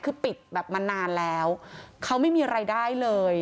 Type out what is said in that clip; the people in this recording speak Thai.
คือปิดแบบมานานแล้วเขาไม่มีรายได้เลย